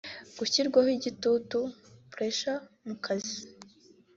gushyirwaho igitutu (Pressure)mu kazi